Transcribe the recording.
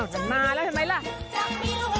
อ้าวมาแล้วใช่ไหมล่ะ